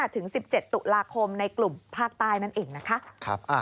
ถึง๑๗ตุลาคมในกลุ่มภาคใต้นั่นเองนะคะ